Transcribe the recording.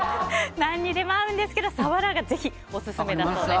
何にでも合うんですけどサワラがぜひオススメだそうです。